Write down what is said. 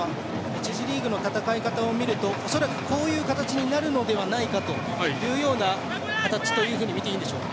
１次リーグの戦い方を見るとこういう形になるのではないかという形とみていいんでしょうか。